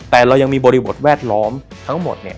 แต่เรายังมีบริบทแวดล้อมทั้งหมดเนี่ย